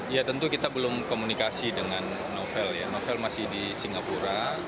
ya tentu kita belum komunikasi dengan novel ya novel masih di singapura